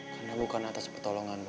karena bukan atas pertolonganmu